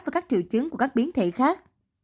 và các triệu chứng của các biến thể khác